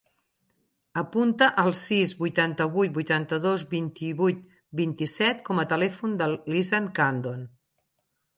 Apunta el sis, vuitanta-vuit, vuitanta-dos, vint-i-vuit, vint-i-set com a telèfon de l'Izan Candon.